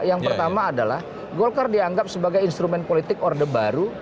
yang pertama adalah golkar dianggap sebagai instrumen politik orde baru